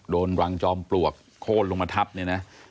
รังจอมปลวกโค้นลงมาทับเนี่ยนะ